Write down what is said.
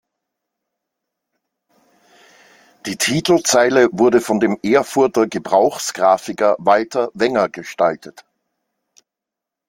Die Titelzeile wurde von dem Erfurter Gebrauchsgrafiker Walter Wenger gestaltet.